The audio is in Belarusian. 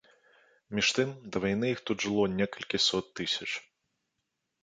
Між тым, да вайны іх тут жыло некалькі сот тысяч.